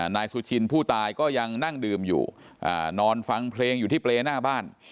นายสุชินผู้ตายก็ยังนั่งดื่มอยู่นอนฟังเพลงอยู่ที่เปรย์หน้าบ้าน